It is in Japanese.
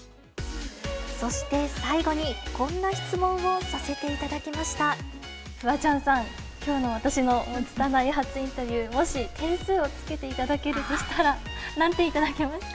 そして最後に、こんな質問をフワちゃんさん、きょうの私のつたない初インタビュー、もし点数をつけていただけるとしたら、何点いただけますか。